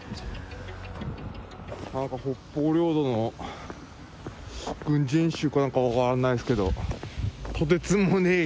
なんか北方領土の軍事演習かなんか分からないですけど、とてつもねぇ